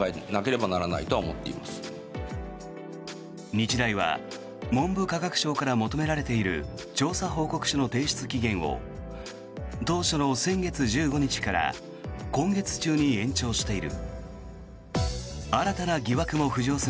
日大は文部科学省から求められている調査報告書の提出期限を当初の先月１５日から今月中に延長している。